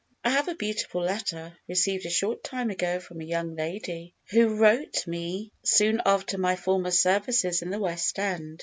I have a beautiful letter, received a short time ago from a young lady, who wrote me soon after my former services in the West End.